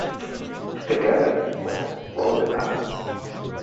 The gang was rounded up.